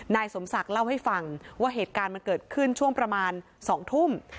นายสมศักดิ์เล่าให้ฟังว่าเหตุการณ์มันเกิดขึ้นช่วงประมาณ๒ทุ่ม